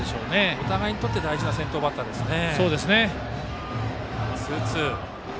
お互いにとって大事な先頭バッターですね。